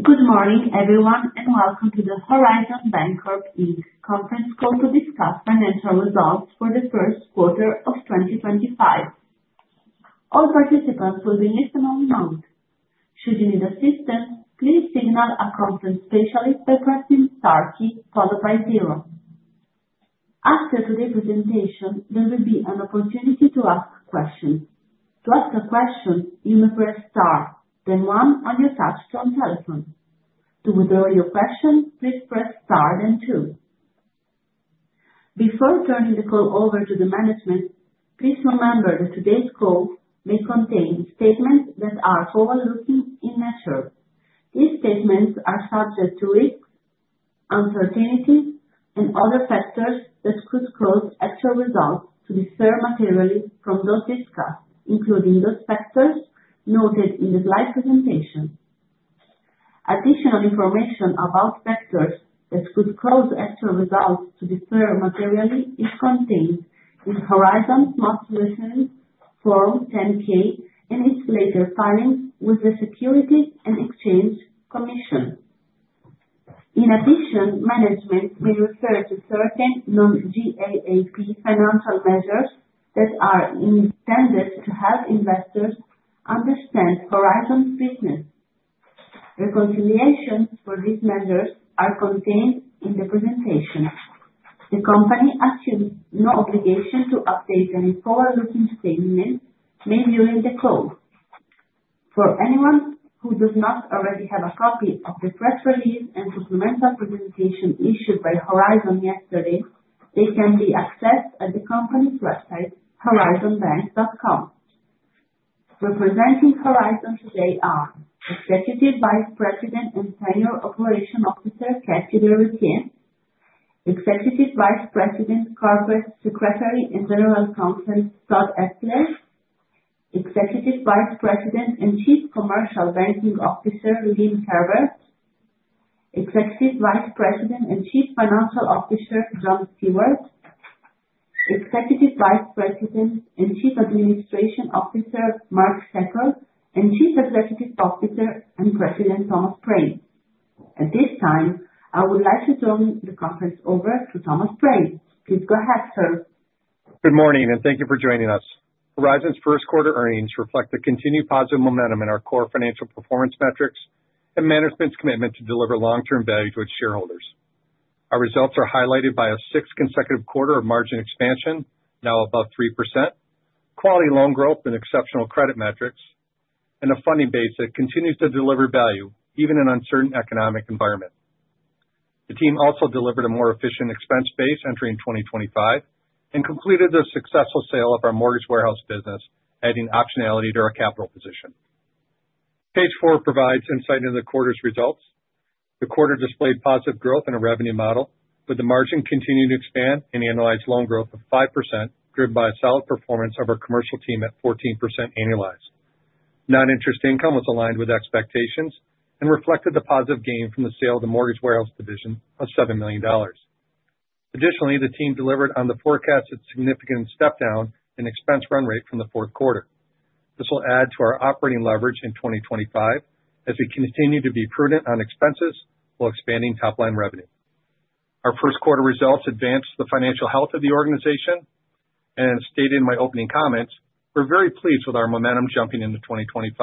Good morning everyone, and welcome to the Horizon Bancorp conference call to discuss financial results for the first quarter of 2025. All participants will be listed on the note. Should you need assistance, please signal a conference specialist by pressing star followed by zero. After today's presentation, there will be an opportunity to ask questions. To ask a question, you may press star, then one on your touch-tone telephone. To withdraw your question, please press star, then two. Before turning the call over to the management, please remember that today's call may contain statements that are forward-looking in nature. These statements are subject to risks, uncertainties, and other factors that could cause actual results to differ materially from those discussed, including those factors noted in the slide presentation. Additional information about factors that could cause actual results to differ materially is contained in Horizon's most recent Form 10-K and its later filings with the Securities and Exchange Commission. In addition, management may refer to certain non-GAAP financial measures that are intended to help investors understand Horizon's business. Reconciliations for these measures are contained in the presentation. The company assumes no obligation to update any forward-looking statements made during the call. For anyone who does not already have a copy of the press release and supplemental presentation issued by Horizon yesterday, they can be accessed at the company's website, horizonbank.com. Representing Horizon today are Executive Vice President and Senior Operations Officer, Kathie DeRuiter, Executive Vice President, Corporate Secretary and General Counsel, Todd Etzler, Executive Vice President and Chief Commercial Banking Officer, Lynn Kerber, Executive Vice President and Chief Financial Officer, John Stewart, Executive Vice President and Chief Administration Officer, Mark Secor, and Chief Executive Officer and President, Thomas Prame. At this time, I would like to turn the conference over to Thomas Prame. Please go ahead, sir. Good morning, and thank you for joining us. Horizon's first-quarter earnings reflect the continued positive momentum in our core financial performance metrics and management's commitment to deliver long-term value to its shareholders. Our results are highlighted by a sixth consecutive quarter of margin expansion, now above 3%, quality loan growth, and exceptional credit metrics, and a funding base that continues to deliver value even in uncertain economic environments. The team also delivered a more efficient expense base entering 2025 and completed the successful sale of our mortgage warehouse business, adding optionality to our capital position. Page four provides insight into the quarter's results. The quarter displayed positive growth in our revenue model, with the margin continuing to expand and annualized loan growth of 5%, driven by a solid performance of our commercial team at 14% annualized. Non-interest income was aligned with expectations and reflected the positive gain from the sale of the mortgage warehouse division of $7 million. Additionally, the team delivered on the forecasted significant step-down in expense run rate from the fourth quarter. This will add to our operating leverage in 2025 as we continue to be prudent on expenses while expanding top-line revenue. Our first-quarter results advance the financial health of the organization, and as stated in my opening comments, we're very pleased with our momentum jumping into 2025.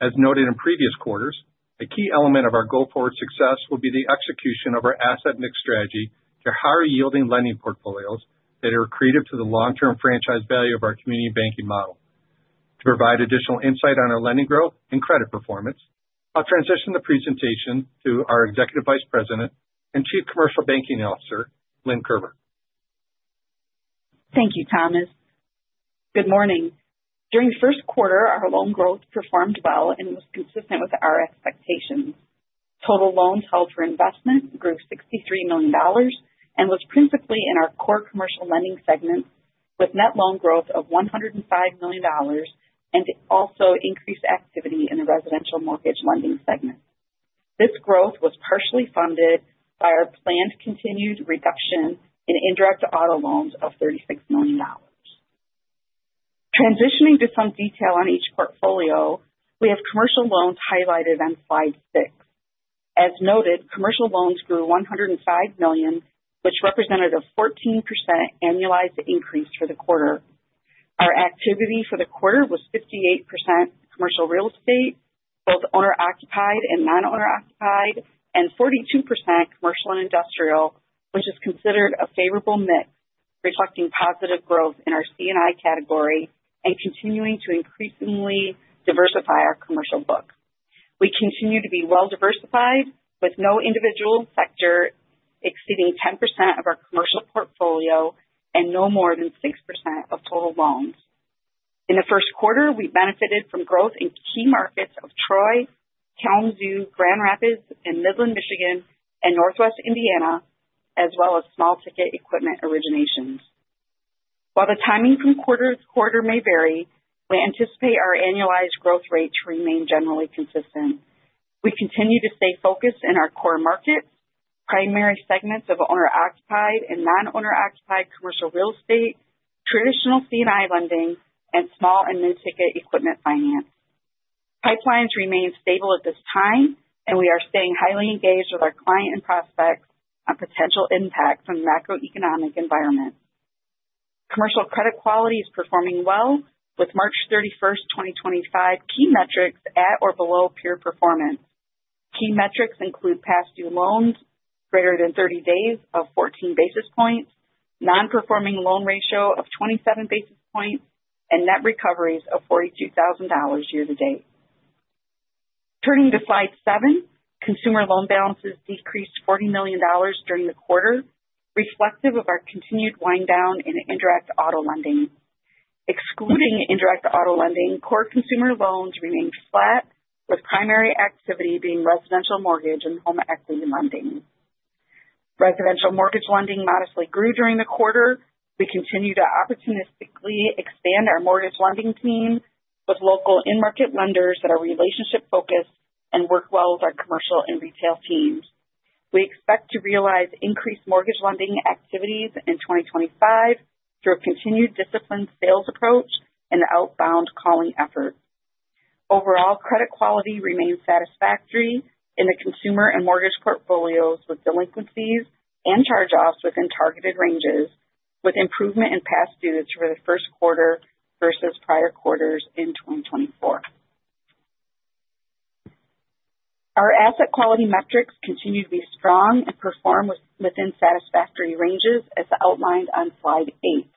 As noted in previous quarters, a key element of our goal forward success will be the execution of our asset mix strategy to higher-yielding lending portfolios that are accretive to the long-term franchise value of our community banking model. To provide additional insight on our lending growth and credit performance, I'll transition the presentation to our Executive Vice President and Chief Commercial Banking Officer, Lynn Kerber. Thank you, Thomas. Good morning. During the first quarter, our loan growth performed well and was consistent with our expectations. Total loans held for investment grew $63 million and was principally in our core commercial lending segment, with net loan growth of $105 million and also increased activity in the residential mortgage lending segment. This growth was partially funded by our planned continued reduction in indirect auto loans of $36 million. Transitioning to some detail on each portfolio, we have commercial loans highlighted on slide six. As noted, commercial loans grew $105 million, which represented a 14% annualized increase for the quarter. Our activity for the quarter was 58% commercial real estate, both owner-occupied and non-owner-occupied, and 42% commercial and industrial, which is considered a favorable mix, reflecting positive growth in our C&I category and continuing to increasingly diversify our commercial book. We continue to be well-diversified, with no individual sector exceeding 10% of our commercial portfolio and no more than 6% of total loans. In the first quarter, we benefited from growth in key markets of Troy, Kalamazoo, Grand Rapids, and Midland, Michigan, and Northwest Indiana, as well as small-ticket equipment originations. While the timing from quarter to quarter may vary, we anticipate our annualized growth rate to remain generally consistent. We continue to stay focused in our core markets, primary segments of owner-occupied and non-owner-occupied commercial real estate, traditional C&I lending, and small and mid-ticket equipment finance. Pipelines remain stable at this time, and we are staying highly engaged with our client and prospects on potential impacts on the macroeconomic environment. Commercial credit quality is performing well, with March 31st, 2025, key metrics at or below peer performance. Key metrics include past due loans greater than 30 days of 14 basis points, non-performing loan ratio of 27 basis points, and net recoveries of $42,000 year-to-date. Turning to slide seven, consumer loan balances decreased $40 million during the quarter, reflective of our continued wind down in indirect auto lending. Excluding indirect auto lending, core consumer loans remained flat, with primary activity being residential mortgage and home equity lending. Residential mortgage lending modestly grew during the quarter. We continue to opportunistically expand our mortgage lending team with local in-market lenders that are relationship-focused and work well with our commercial and retail teams. We expect to realize increased mortgage lending activities in 2025 through a continued disciplined sales approach and outbound calling efforts. Overall, credit quality remains satisfactory in the consumer and mortgage portfolios with delinquencies and charge-offs within targeted ranges, with improvement in past dues for the first quarter versus prior quarters in 2024. Our asset quality metrics continue to be strong and perform within satisfactory ranges as outlined on slide eight.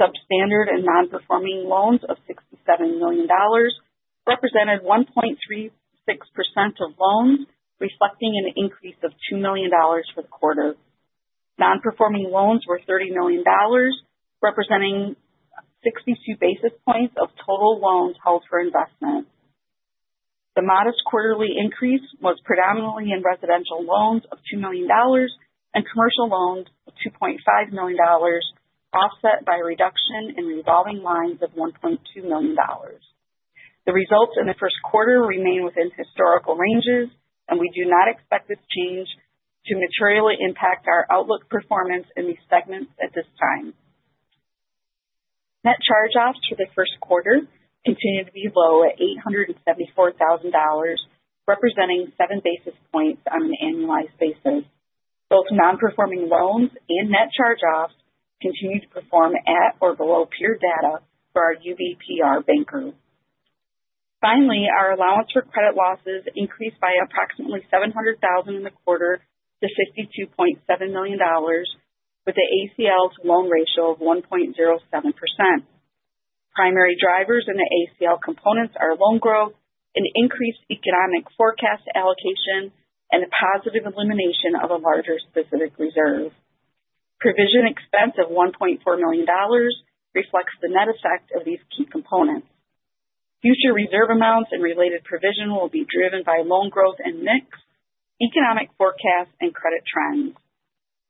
Substandard and non-performing loans of $67 million represented 1.36% of loans, reflecting an increase of $2 million for the quarter. Non-performing loans were $30 million, representing 62 basis points of total loans held for investment. The modest quarterly increase was predominantly in residential loans of $2 million and commercial loans of $2.5 million, offset by a reduction in revolving lines of $1.2 million. The results in the first quarter remain within historical ranges, and we do not expect this change to materially impact our outlook performance in these segments at this time. Net charge-offs for the first quarter continue to be low at $874,000, representing 7 basis points on an annualized basis. Both non-performing loans and net charge-offs continue to perform at or below peer data for our UBPR banker. Finally, our allowance for credit losses increased by approximately $700,000 in the quarter to $52.7 million, with the ACL's loan ratio of 1.07%. Primary drivers in the ACL components are loan growth, an increased economic forecast allocation, and a positive elimination of a larger specific reserve. Provision expense of $1.4 million reflects the net effect of these key components. Future reserve amounts and related provision will be driven by loan growth and mix, economic forecasts, and credit trends.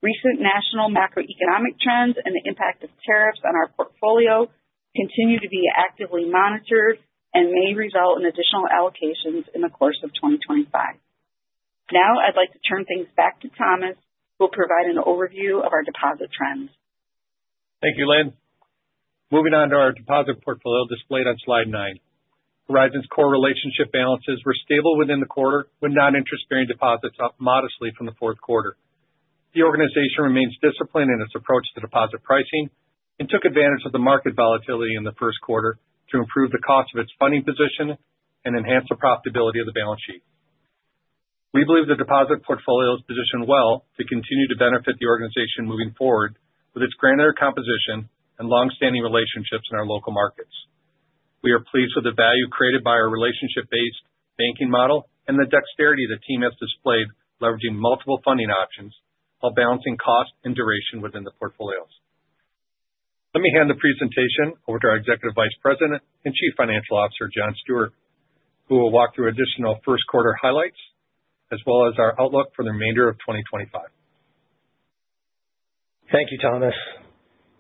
Recent national macroeconomic trends and the impact of tariffs on our portfolio continue to be actively monitored and may result in additional allocations in the course of 2025. Now, I'd like to turn things back to Thomas, who will provide an overview of our deposit trends. Thank you, Lynn. Moving on to our deposit portfolio displayed on slide nine, Horizon's core relationship balances were stable within the quarter, with non-interest-bearing deposits up modestly from the fourth quarter. The organization remains disciplined in its approach to deposit pricing and took advantage of the market volatility in the first quarter to improve the cost of its funding position and enhance the profitability of the balance sheet. We believe the deposit portfolio is positioned well to continue to benefit the organization moving forward with its granular composition and long-standing relationships in our local markets. We are pleased with the value created by our relationship-based banking model and the dexterity the team has displayed leveraging multiple funding options while balancing cost and duration within the portfolios. Let me hand the presentation over to our Executive Vice President and Chief Financial Officer, John Stewart, who will walk through additional first-quarter highlights, as well as our outlook for the remainder of 2025. Thank you, Thomas.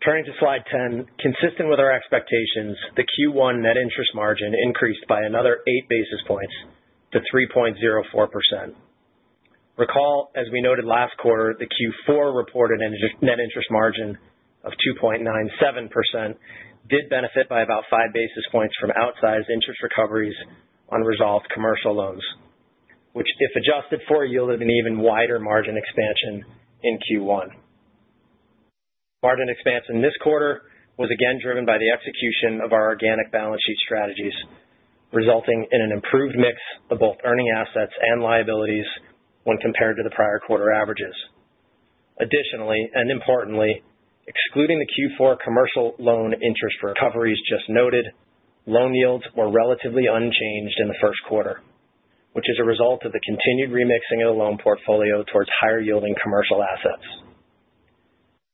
Turning to slide 10, consistent with our expectations, the Q1 net interest margin increased by another 8 basis points to 3.04%. Recall, as we noted last quarter, the Q4 reported net interest margin of 2.97% did benefit by about 5 basis points from outsized interest recoveries on resolved commercial loans, which, if adjusted for, yielded an even wider margin expansion in Q1. Margin expansion in this quarter was again driven by the execution of our organic balance sheet strategies, resulting in an improved mix of both earning assets and liabilities when compared to the prior quarter averages. Additionally, and importantly, excluding the Q4 commercial loan interest recoveries just noted, loan yields were relatively unchanged in the first quarter, which is a result of the continued remixing of the loan portfolio towards higher-yielding commercial assets.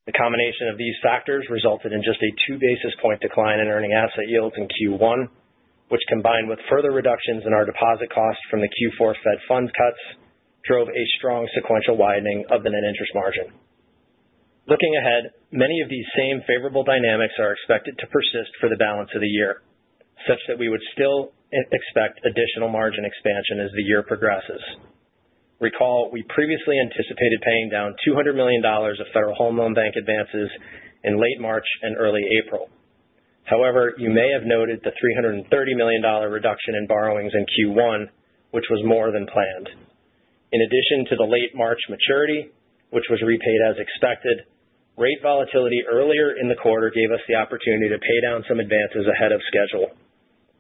The combination of these factors resulted in just a 2 basis point decline in earning asset yields in Q1, which, combined with further reductions in our deposit costs from the Q4 Fed funds cuts, drove a strong sequential widening of the net interest margin. Looking ahead, many of these same favorable dynamics are expected to persist for the balance of the year, such that we would still expect additional margin expansion as the year progresses. Recall, we previously anticipated paying down $200 million of Federal Home Loan Bank advances in late March and early April. However, you may have noted the $330 million reduction in borrowings in Q1, which was more than planned. In addition to the late March maturity, which was repaid as expected, rate volatility earlier in the quarter gave us the opportunity to pay down some advances ahead of schedule.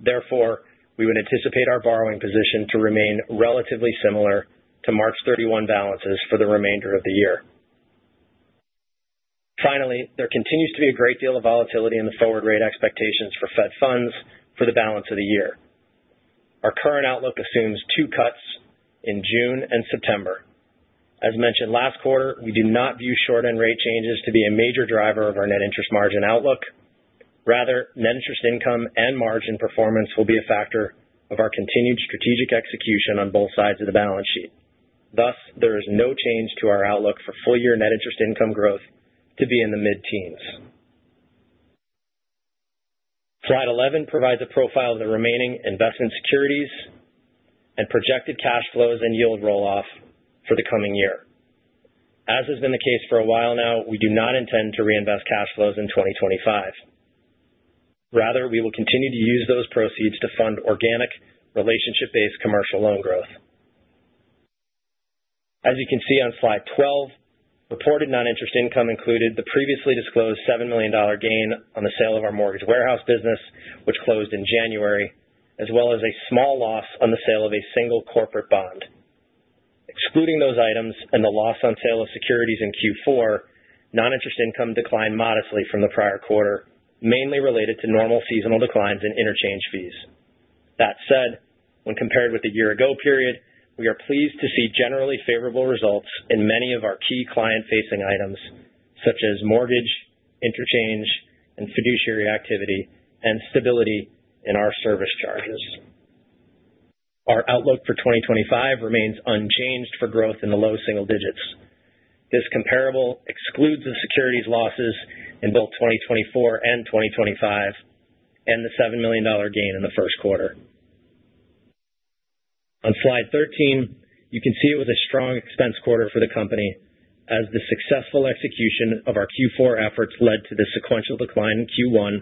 Therefore, we would anticipate our borrowing position to remain relatively similar to March 31 balances for the remainder of the year. Finally, there continues to be a great deal of volatility in the forward rate expectations for Fed funds for the balance of the year. Our current outlook assumes two cuts in June and September. As mentioned last quarter, we do not view short-end rate changes to be a major driver of our net interest margin outlook. Rather, net interest income and margin performance will be a factor of our continued strategic execution on both sides of the balance sheet. Thus, there is no change to our outlook for full-year net interest income growth to be in the mid-teens. Slide 11 provides a profile of the remaining investment securities and projected cash flows and yield rolloff for the coming year. As has been the case for a while now, we do not intend to reinvest cash flows in 2025. Rather, we will continue to use those proceeds to fund organic relationship-based commercial loan growth. As you can see on slide 12, reported non-interest income included the previously disclosed $7 million gain on the sale of our mortgage warehouse business, which closed in January, as well as a small loss on the sale of a single corporate bond. Excluding those items and the loss on sale of securities in Q4, non-interest income declined modestly from the prior quarter, mainly related to normal seasonal declines in interchange fees. That said, when compared with the year-ago period, we are pleased to see generally favorable results in many of our key client-facing items, such as mortgage, interchange, and fiduciary activity, and stability in our service charges. Our outlook for 2025 remains unchanged for growth in the low single digits. This comparable excludes the securities losses in both 2024 and 2025 and the $7 million gain in the first quarter. On slide 13, you can see it was a strong expense quarter for the company, as the successful execution of our Q4 efforts led to the sequential decline in Q1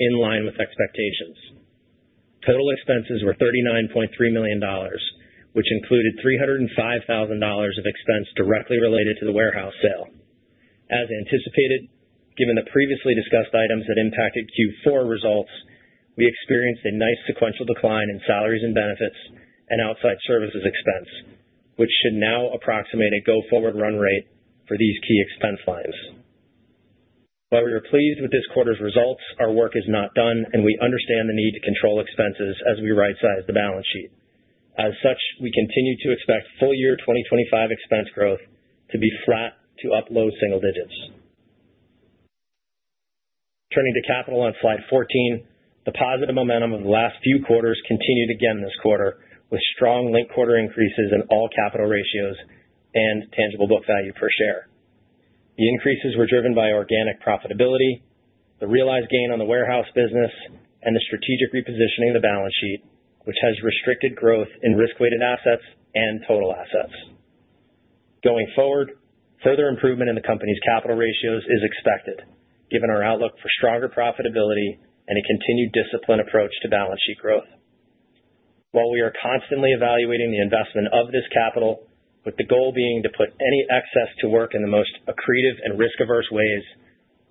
in line with expectations. Total expenses were $39.3 million, which included $305,000 of expense directly related to the warehouse sale. As anticipated, given the previously discussed items that impacted Q4 results, we experienced a nice sequential decline in salaries and benefits and outside services expense, which should now approximate a go-forward run rate for these key expense lines. While we are pleased with this quarter's results, our work is not done, and we understand the need to control expenses as we right-size the balance sheet. As such, we continue to expect full-year 2025 expense growth to be flat to up low single digits. Turning to capital on slide 14, the positive momentum of the last few quarters continued again this quarter, with strong link quarter increases in all capital ratios and tangible book value per share. The increases were driven by organic profitability, the realized gain on the warehouse business, and the strategic repositioning of the balance sheet, which has restricted growth in risk-weighted assets and total assets. Going forward, further improvement in the company's capital ratios is expected, given our outlook for stronger profitability and a continued disciplined approach to balance sheet growth, while we are constantly evaluating the investment of this capital, with the goal being to put any excess to work in the most accretive and risk-averse ways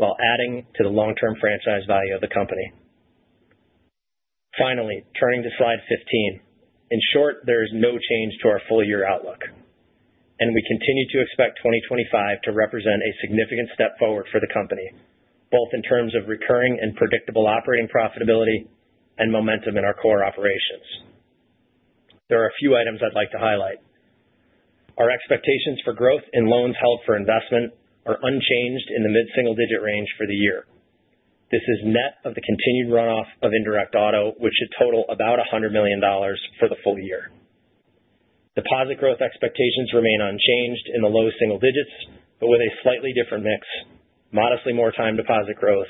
while adding to the long-term franchise value of the company. Finally, turning to slide 15, in short, there is no change to our full-year outlook, and we continue to expect 2025 to represent a significant step forward for the company, both in terms of recurring and predictable operating profitability and momentum in our core operations. There are a few items I'd like to highlight. Our expectations for growth in loans held for investment are unchanged in the mid-single digit range for the year. This is net of the continued runoff of indirect auto, which should total about $100 million for the full year. Deposit growth expectations remain unchanged in the low single digits, but with a slightly different mix, modestly more time deposit growth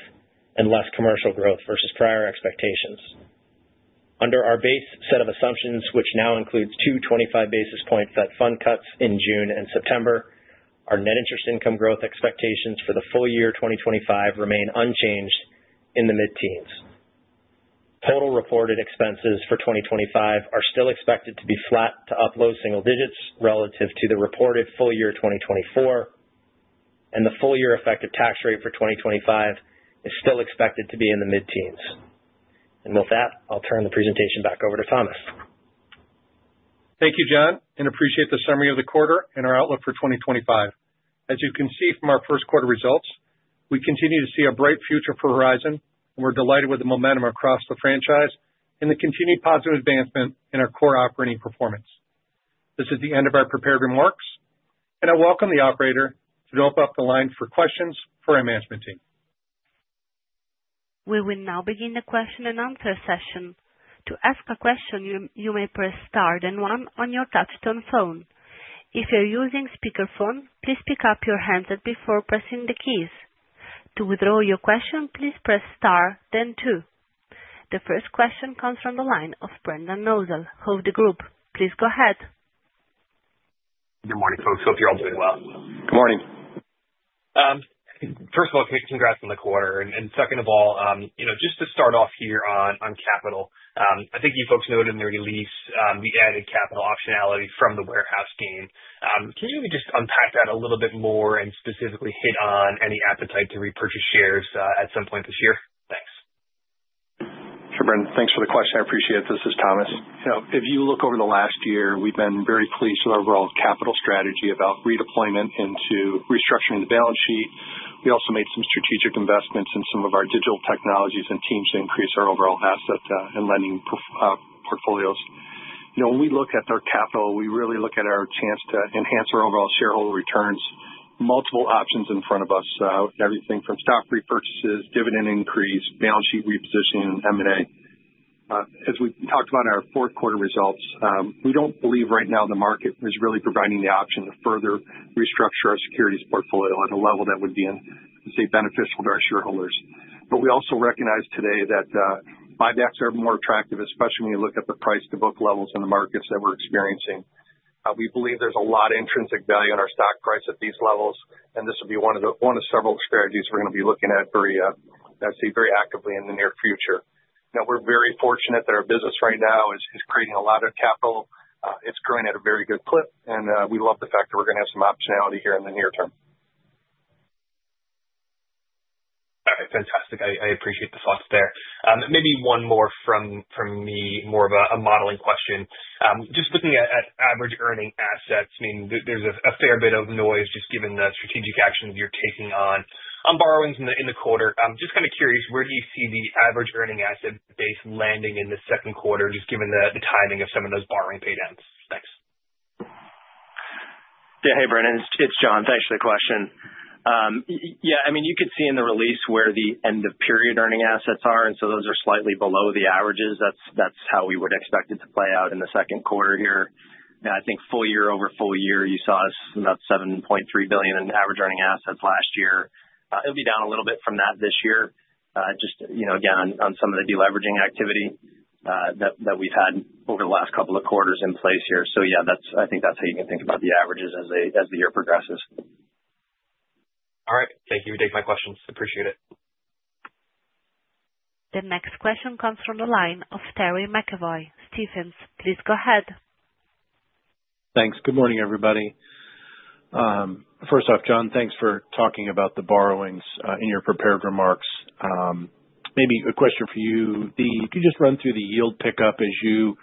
and less commercial growth versus prior expectations. Under our base set of assumptions, which now includes two 25 basis point Fed fund cuts in June and September, our net interest income growth expectations for the full year 2025 remain unchanged in the mid-teens. Total reported expenses for 2025 are still expected to be flat to up low single digits relative to the reported full year 2024, and the full-year effective tax rate for 2025 is still expected to be in the mid-teens. With that, I'll turn the presentation back over to Thomas. Thank you, John, and appreciate the summary of the quarter and our outlook for 2025. As you can see from our first quarter results, we continue to see a bright future for Horizon, and we're delighted with the momentum across the franchise and the continued positive advancement in our core operating performance. This is the end of our prepared remarks, and I welcome the operator to open up the line for questions for our management team. We will now begin the question and answer session. To ask a question, you may press star then one on your touch-tone phone. If you're using speakerphone, please pick up your handset before pressing the keys. To withdraw your question, please press star, then two. The first question comes from the line of Brendan Nosal, Hovde Group. Please go ahead. Good morning, folks. Hope you're all doing well. Good morning. First of all, congrats on the quarter. Second of all, just to start off here on capital, I think you folks noted in the release we added capital optionality from the warehouse gain. Can you maybe just unpack that a little bit more and specifically hit on any appetite to repurchase shares at some point this year? Thanks. Sure, Brendan. Thanks for the question. I appreciate it. This is Thomas. If you look over the last year, we've been very pleased with our overall capital strategy about redeployment into restructuring the balance sheet. We also made some strategic investments in some of our digital technologies and teams to increase our overall asset and lending portfolios. When we look at our capital, we really look at our chance to enhance our overall shareholder returns. Multiple options in front of us, everything from stock repurchases, dividend increase, balance sheet repositioning, and M&A. As we talked about our fourth quarter results, we don't believe right now the market is really providing the option to further restructure our securities portfolio at a level that would be beneficial to our shareholders. We also recognize today that buybacks are more attractive, especially when you look at the price-to-book levels in the markets that we're experiencing. We believe there's a lot of intrinsic value in our stock price at these levels, and this will be one of several strategies we're going to be looking at very actively in the near future. Now, we're very fortunate that our business right now is creating a lot of capital. It's growing at a very good clip, and we love the fact that we're going to have some optionality here in the near term. All right. Fantastic. I appreciate the thoughts there. Maybe one more from me, more of a modeling question. Just looking at average earning assets, I mean, there's a fair bit of noise just given the strategic actions you're taking on borrowings in the quarter. Just kind of curious, where do you see the average earning asset base landing in the second quarter, just given the timing of some of those borrowing paydowns? Thanks. Yeah. Hey, Brendan. It's John. Thanks for the question. Yeah. I mean, you could see in the release where the end-of-period earning assets are, and so those are slightly below the averages. That's how we would expect it to play out in the second quarter here. I think full year over full year, you saw us about $7.3 billion in average earning assets last year. It'll be down a little bit from that this year, just again on some of the deleveraging activity that we've had over the last couple of quarters in place here. Yeah, I think that's how you can think about the averages as the year progresses. All right. Thank you for taking my questions. Appreciate it. The next question comes from the line of Terry McEvoy. Stephens, please go ahead. Thanks. Good morning, everybody. First off, John, thanks for talking about the borrowings in your prepared remarks. Maybe a question for you, Steve. Could you just run through the yield pickup as you run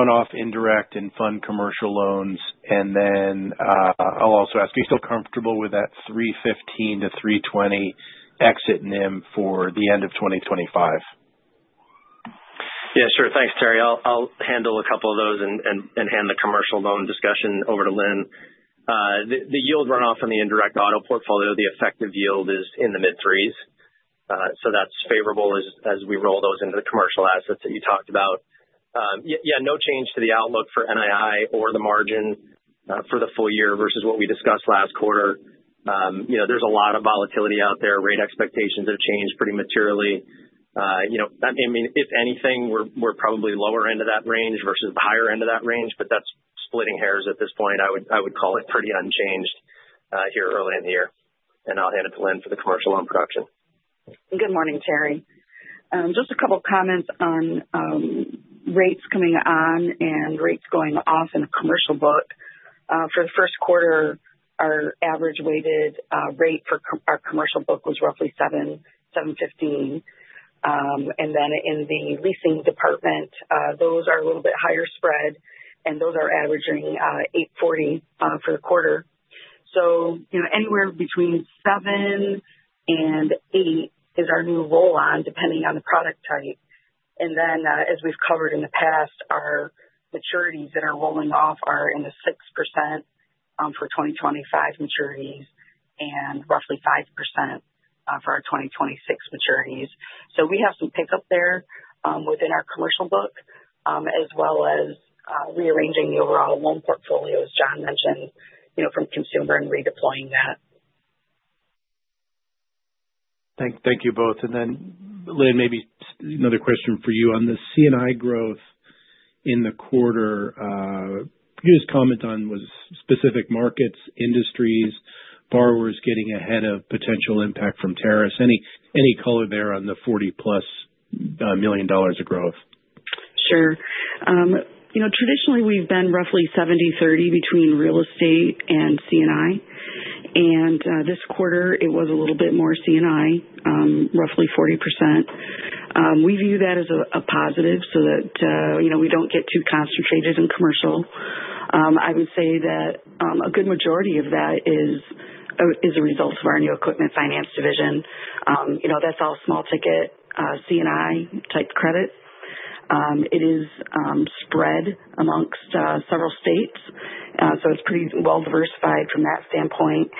off indirect and fund commercial loans? And then I'll also ask, are you still comfortable with that 315-320 exit NIM for the end of 2025? Yeah. Sure. Thanks, Terry. I'll handle a couple of those and hand the commercial loan discussion over to Lynn. The yield runoff on the indirect auto portfolio, the effective yield is in the mid-threes. So that's favorable as we roll those into the commercial assets that you talked about. Yeah. No change to the outlook for NII or the margin for the full year versus what we discussed last quarter. There's a lot of volatility out there. Rate expectations have changed pretty materially. I mean, if anything, we're probably lower end of that range versus the higher end of that range, but that's splitting hairs at this point. I would call it pretty unchanged here early in the year. I'll hand it to Lynn for the commercial loan production. Good morning, Terry. Just a couple of comments on rates coming on and rates going off in the commercial book. For the first quarter, our average weighted rate for our commercial book was roughly 7.15. In the leasing department, those are a little bit higher spread, and those are averaging 8.40 for the quarter. Anywhere between 7 and 8 is our new roll-on, depending on the product type. As we have covered in the past, our maturities that are rolling off are in the 6% for 2025 maturities and roughly 5% for our 2026 maturities. We have some pickup there within our commercial book, as well as rearranging the overall loan portfolio, as John mentioned, from consumer and redeploying that. Thank you both. Lynn, maybe another question for you on the C&I growth in the quarter. Could you just comment on specific markets, industries, borrowers getting ahead of potential impact from tariffs? Any color there on the $40 million-plus of growth? Sure. Traditionally, we've been roughly 70-30 between real estate and C&I. This quarter, it was a little bit more C&I, roughly 40%. We view that as a positive so that we don't get too concentrated in commercial. I would say that a good majority of that is a result of our new equipment finance division. That's all small-ticket C&I-type credit. It is spread amongst several states, so it's pretty well-diversified from that standpoint.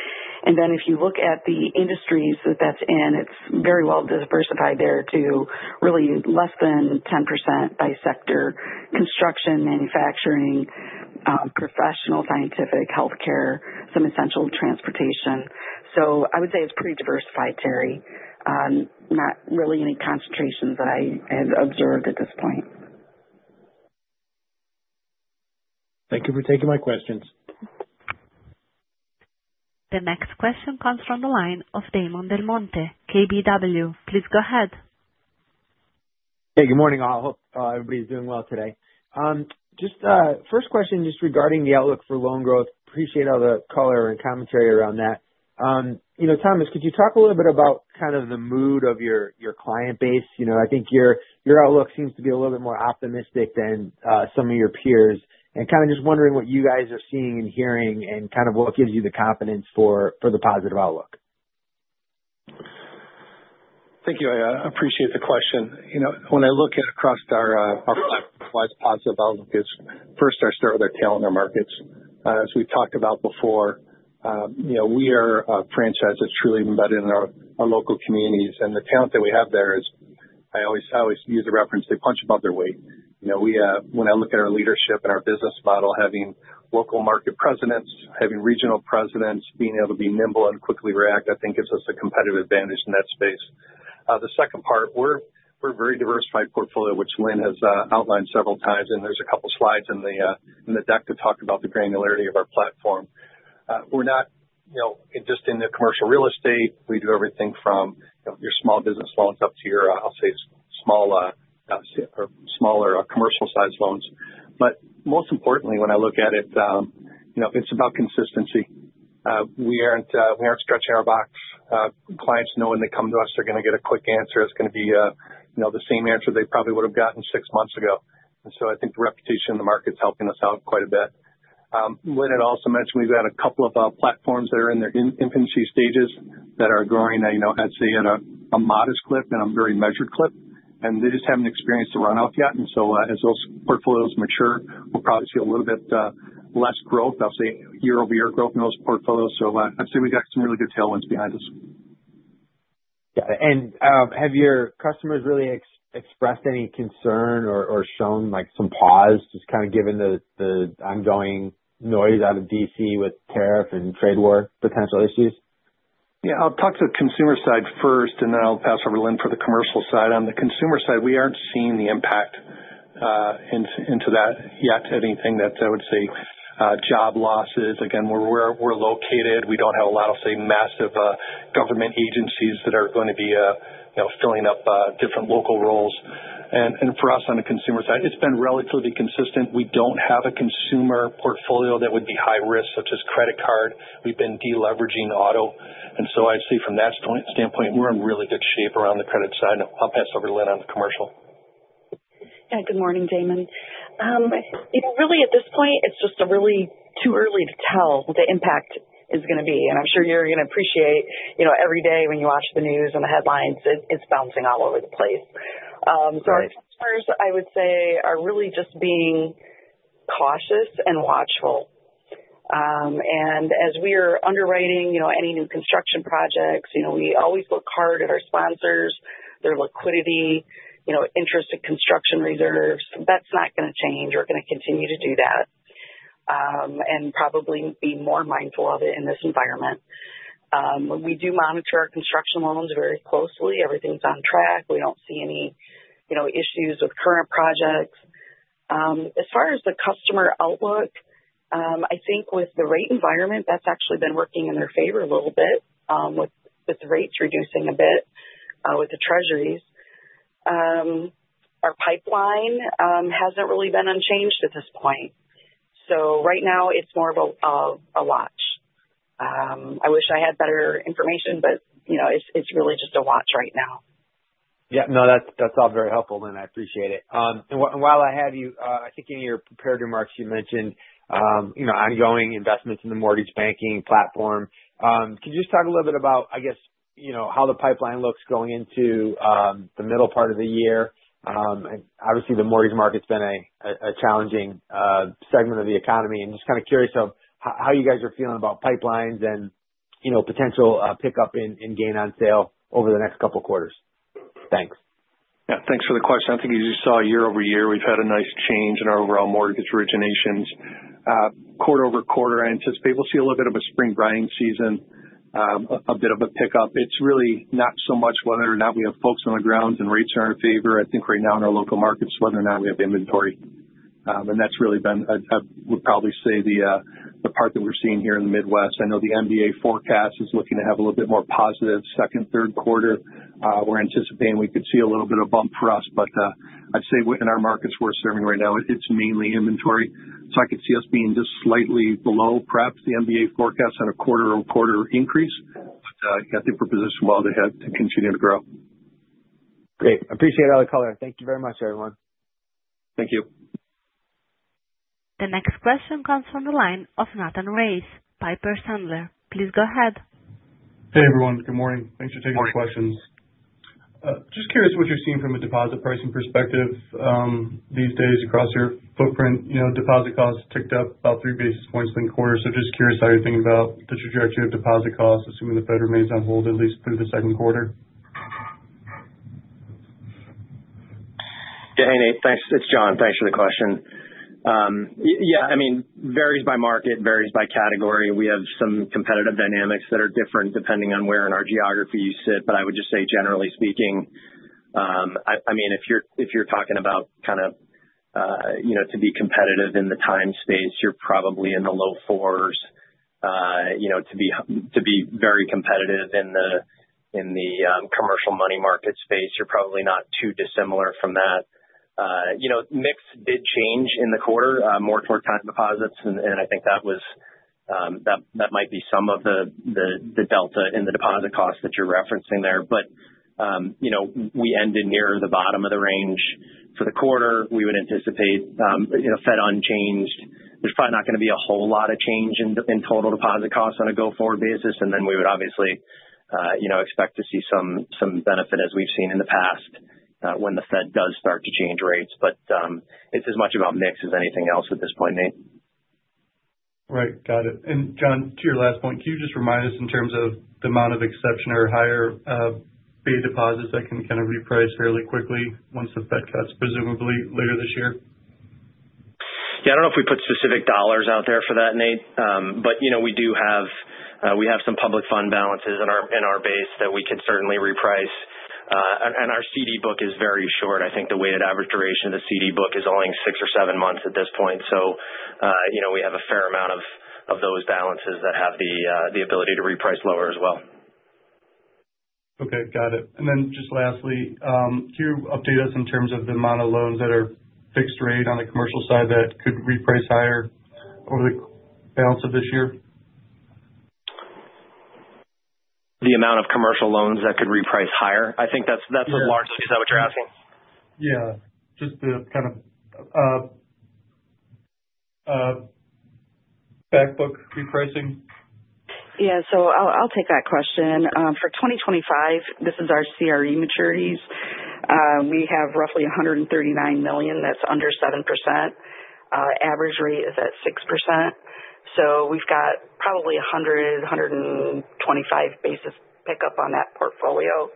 If you look at the industries that that's in, it's very well-diversified there to really less than 10% by sector: construction, manufacturing, professional, scientific, healthcare, some essential transportation. I would say it's pretty diversified, Terry. Not really any concentrations that I had observed at this point. Thank you for taking my questions. The next question comes from the line of Damon DelMonte, KBW. Please go ahead. Hey. Good morning, all. Hope everybody's doing well today. First question just regarding the outlook for loan growth. Appreciate all the color and commentary around that. Thomas, could you talk a little bit about kind of the mood of your client base? I think your outlook seems to be a little bit more optimistic than some of your peers. Just wondering, what you guys are seeing and hearing and kind of what gives you the confidence for the positive outlook? Thank you. I appreciate the question. When I look across our five-plus positive outlooks, first, I start with our talent in our markets. As we've talked about before, we are a franchise that's truly embedded in our local communities. The talent that we have there is, I always use the reference, they punch above their weight. When I look at our leadership and our business model, having local market presidents, having regional presidents, being able to be nimble and quickly react, I think gives us a competitive advantage in that space. The second part, we are a very diversified portfolio, which Lynn has outlined several times, and there are a couple of slides in the deck to talk about the granularity of our platform. We are not just in the commercial real estate. We do everything from your small business loans up to your, I'll say, small or commercial-sized loans. Most importantly, when I look at it, it's about consistency. We aren't stretching our box. Clients know when they come to us, they're going to get a quick answer. It's going to be the same answer they probably would have gotten six months ago. I think the reputation in the market's helping us out quite a bit. Lynn had also mentioned we've got a couple of platforms that are in their infancy stages that are growing, I'd say, at a modest clip and a very measured clip. They just haven't experienced the runoff yet. As those portfolios mature, we'll probably see a little bit less growth, I'll say, year-over-year growth in those portfolios. I'd say we've got some really good tailwinds behind us. Got it. Have your customers really expressed any concern or shown some pause, just kind of given the ongoing noise out of D.C. with tariff and trade war potential issues? Yeah. I'll talk to the consumer side first, and then I'll pass over to Lynn for the commercial side. On the consumer side, we aren't seeing the impact into that yet, anything that I would say job losses. Again, where we're located, we don't have a lot of, say, massive government agencies that are going to be filling up different local roles. For us on the consumer side, it's been relatively consistent. We don't have a consumer portfolio that would be high risk, such as credit card. We've been deleveraging auto. I'd say from that standpoint, we're in really good shape around the credit side. I'll pass over to Lynn on the commercial. Yeah. Good morning, Damon. Really, at this point, it's just really too early to tell what the impact is going to be. I'm sure you appreciate every day when you watch the news and the headlines, it's bouncing all over the place. Our customers, I would say, are really just being cautious and watchful. As we are underwriting any new construction projects, we always look hard at our sponsors, their liquidity, interest in construction reserves. That's not going to change. We're going to continue to do that and probably be more mindful of it in this environment. We do monitor our construction loans very closely. Everything's on track. We don't see any issues with current projects. As far as the customer outlook, I think with the rate environment, that's actually been working in their favor a little bit, with the rates reducing a bit with the treasuries. Our pipeline hasn't really been unchanged at this point. Right now, it's more of a watch. I wish I had better information, but it's really just a watch right now. Yeah. No, that's all very helpful, Lynn. I appreciate it. While I have you, I think in your prepared remarks, you mentioned ongoing investments in the mortgage banking platform. Could you just talk a little bit about, I guess, how the pipeline looks going into the middle part of the year? Obviously, the mortgage market's been a challenging segment of the economy. Just kind of curious of how you guys are feeling about pipelines and potential pickup in gain on sale over the next couple of quarters? Thanks. Yeah. Thanks for the question. I think as you saw year-over-year, we've had a nice change in our overall mortgage originations. Quarter-over-quarter, I anticipate we'll see a little bit of a spring buying season, a bit of a pickup. It's really not so much whether or not we have folks on the ground and rates are in our favor. I think right now in our local markets, whether or not we have inventory. That's really been, I would probably say, the part that we're seeing here in the Midwest. I know the MBA forecast is looking to have a little bit more positive second, third quarter. We're anticipating we could see a little bit of bump for us, but I'd say in our markets we're serving right now, it's mainly inventory. I could see us being just slightly below perhaps the MBA forecast on a quarter-over-quarter increase, but I think we're positioned well to continue to grow. Great. Appreciate all the color. Thank you very much, everyone. Thank you. The next question comes from the line of Nathan Race, Piper Sandler. Please go ahead. Hey, everyone. Good morning. Thanks for taking the questions. Just curious what you're seeing from a deposit pricing perspective these days across your footprint? Deposit costs ticked up about three basis points in the quarter. Just curious how you're thinking about the trajectory of deposit costs, assuming the Fed remains on hold at least through the second quarter? Yeah. Hey, Nate. Thanks. It's John. Thanks for the question. Yeah. I mean, varies by market, varies by category. We have some competitive dynamics that are different depending on where in our geography you sit. I would just say, generally speaking, I mean, if you're talking about kind of to be competitive in the time space, you're probably in the low fours. To be very competitive in the commercial money market space, you're probably not too dissimilar from that. Mix did change in the quarter, more toward time deposits. I think that might be some of the delta in the deposit costs that you're referencing there. We ended near the bottom of the range for the quarter. We would anticipate Fed unchanged. There's probably not going to be a whole lot of change in total deposit costs on a go-forward basis. We would obviously expect to see some benefit, as we have seen in the past, when the Fed does start to change rates. It is as much about mix as anything else at this point, Nate. Right. Got it. John, to your last point, can you just remind us in terms of the amount of exception or higher-paid deposits that can kind of reprice fairly quickly once the Fed cuts, presumably later this year? Yeah. I don't know if we put specific dollars out there for that, Nate. But we do have some public fund balances in our base that we could certainly reprice. Our CD book is very short. I think the weighted average duration of the CD book is only six or seven months at this point. We have a fair amount of those balances that have the ability to reprice lower as well. Okay. Got it. Lastly, can you update us in terms of the amount of loans that are fixed rate on the commercial side that could reprice higher over the balance of this year? The amount of commercial loans that could reprice higher? I think that's a large number. Is that what you're asking? Yeah. Just the kind of backbook repricing. Yeah. I'll take that question. For 2025, this is our CRE maturities. We have roughly $139 million that's under 7%. Average rate is at 6%. We've got probably a 100-125 basis point pickup on that portfolio.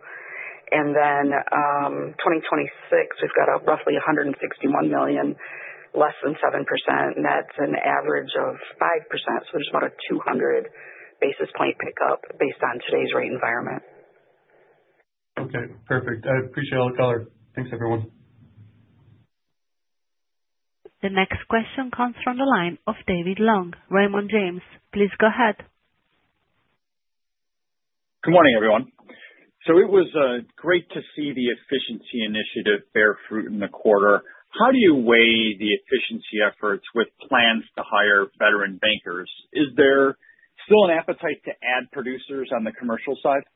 In 2026, we've got roughly $161 million less than 7%. That's an average of 5%. There's about a 200 basis point pickup based on today's rate environment. Okay. Perfect. I appreciate all the color. Thanks, everyone. The next question comes from the line of David Long, Raymond James. Please go ahead. Good morning, everyone. It was great to see the efficiency initiative bear fruit in the quarter. How do you weigh the efficiency efforts with plans to hire veteran bankers? Is there still an appetite to add producers on the commercial side?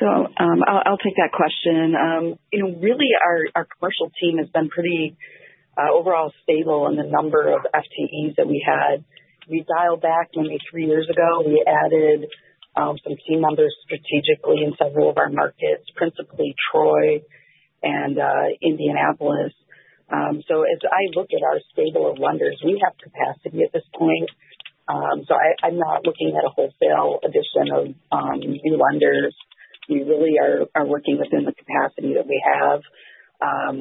I'll take that question. Really, our commercial team has been pretty overall stable in the number of FTEs that we had. We dialed back maybe three years ago. We added some team members strategically in several of our markets, principally Troy and Indianapolis. As I look at our stable of lenders, we have capacity at this point. I'm not looking at a wholesale addition of new lenders. We really are working within the capacity that we have.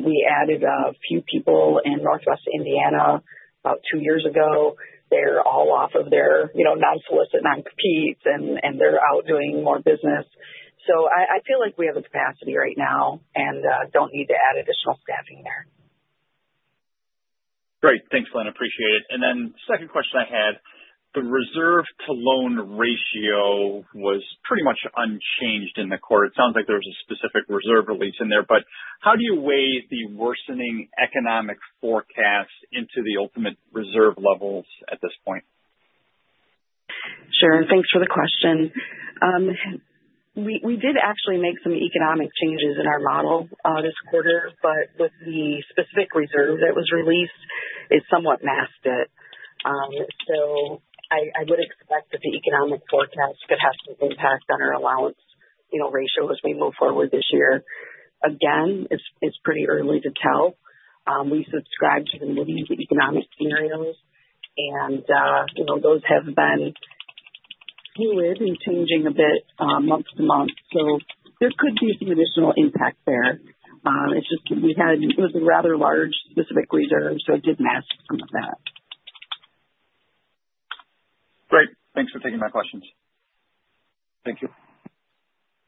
We added a few people in Northwest Indiana about two years ago. They're all off of their non-solicit, non-compete, and they're out doing more business. I feel like we have capacity right now and don't need to add additional staffing there. Great. Thanks, Lynn. Appreciate it. The second question I had, the reserve-to-loan ratio was pretty much unchanged in the quarter. It sounds like there was a specific reserve release in there. How do you weigh the worsening economic forecast into the ultimate reserve levels at this point? Sure. Thanks for the question. We did actually make some economic changes in our model this quarter, but with the specific reserve that was released, it somewhat masked it. I would expect that the economic forecast could have some impact on our allowance ratio as we move forward this year. Again, it's pretty early to tell. We subscribe to the moving economic scenarios, and those have been fluid and changing a bit month to month. There could be some additional impact there. It's just that we had a rather large specific reserve, so it did mask some of that. Great. Thanks for taking my questions. Thank you.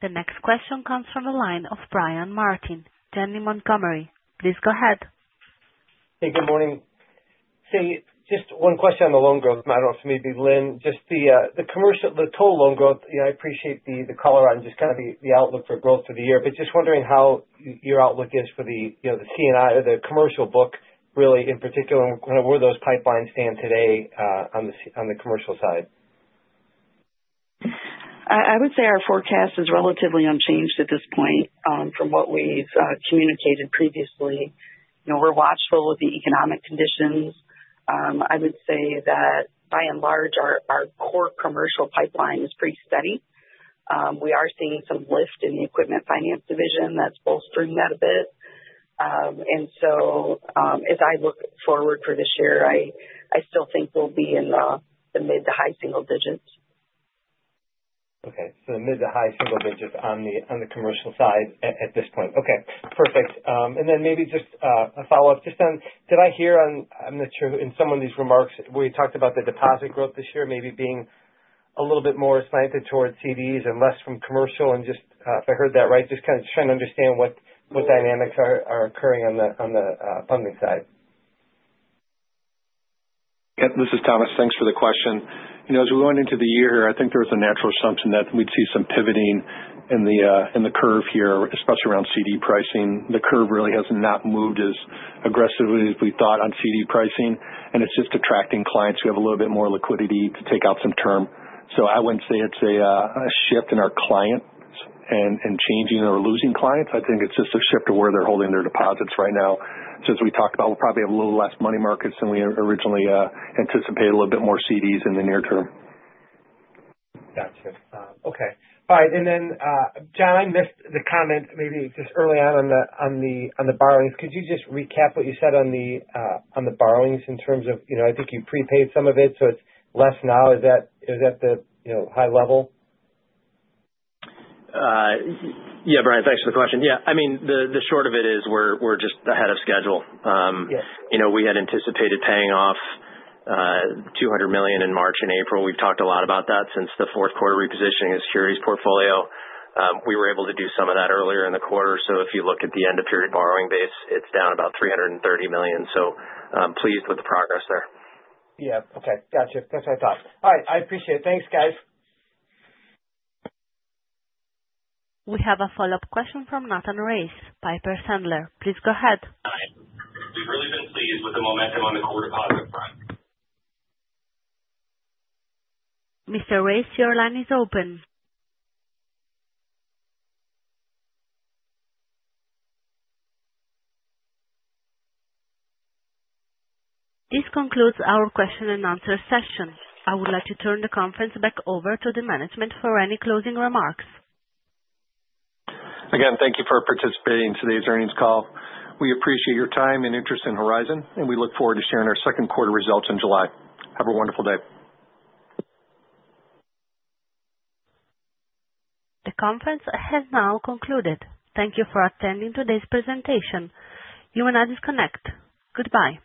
The next question comes from the line of Brian Martin, Janney Montgomery. Please go ahead. Hey, good morning. Hey, just one question on the loan growth. I do not know if it is maybe Lynn. Just the total loan growth, I appreciate the color on just kind of the outlook for growth for the year, but just wondering how your outlook is for the C&I or the commercial book, really, in particular, kind of where those pipelines stand today on the commercial side. I would say our forecast is relatively unchanged at this point from what we've communicated previously. We're watchful of the economic conditions. I would say that, by and large, our core commercial pipeline is pretty steady. We are seeing some lift in the equipment finance division that's bolstering that a bit. As I look forward for this year, I still think we'll be in the mid to high single digits. Okay. The mid to high single digits on the commercial side at this point. Okay. Perfect. Maybe just a follow-up. Did I hear on—in some of these remarks, we talked about the deposit growth this year maybe being a little bit more slanted towards CDs and less from commercial. If I heard that right, just kind of trying to understand what dynamics are occurring on the funding side. Yep. This is Thomas. Thanks for the question. As we went into the year here, I think there was a natural assumption that we'd see some pivoting in the curve here, especially around CD pricing. The curve really has not moved as aggressively as we thought on CD pricing. It's just attracting clients who have a little bit more liquidity to take out some term. I wouldn't say it's a shift in our clients and changing or losing clients. I think it's just a shift to where they're holding their deposits right now. As we talked about, we'll probably have a little less money markets than we originally anticipated, a little bit more CDs in the near term. Gotcha. Okay. All right. John, I missed the comment maybe just early on on the borrowings. Could you just recap what you said on the borrowings in terms of I think you prepaid some of it, so it's less now. Is that the high level? Yeah, Brian, thanks for the question. Yeah. I mean, the short of it is we're just ahead of schedule. We had anticipated paying off $200 million in March and April. We've talked a lot about that since the fourth quarter repositioning of the securities portfolio. We were able to do some of that earlier in the quarter. If you look at the end-of-period borrowing base, it's down about $330 million. Pleased with the progress there. Yeah. Okay. Gotcha. That's what I thought. All right. I appreciate it. Thanks, guys. We have a follow-up question from Nathan Race, Piper Sandler. Please go ahead. Time. We've really been pleased with the momentum on the core deposit front. Mr. Race, your line is open. This concludes our question-and-answer session. I would like to turn the conference back over to the management for any closing remarks. Again, thank you for participating in today's earnings call. We appreciate your time and interest in Horizon, and we look forward to sharing our second quarter results in July. Have a wonderful day. The conference has now concluded. Thank you for attending today's presentation. You may now disconnect. Goodbye.